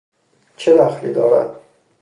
!چه دخلی دارد